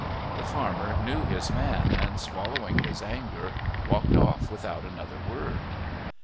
The farmer knew his man, and swallowing his anger walked off without another word.